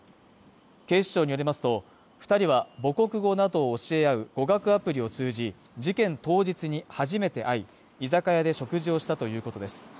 警視庁によりますと、２人は母国語など教えあう語学アプリを通じ、事件当日に初めて会い、居酒屋で食事をしたということです。